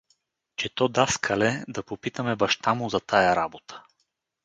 — Че то, даскале, да попитаме баща му за тая работа.